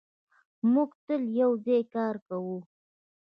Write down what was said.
موږ تل یو ځای کار کوو.